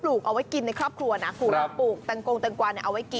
สูตรเล่นโตหรือยังไง